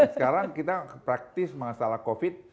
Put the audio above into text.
sekarang kita praktis masalah covid